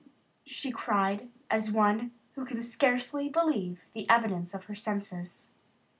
she cried as one who can scarcely believe the evidence of her senses.